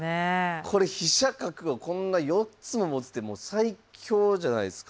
これ飛車角をこんな４つも持つって最強じゃないですか？